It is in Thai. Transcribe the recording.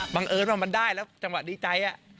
เอิญว่ามันได้แล้วจังหวะดีใจ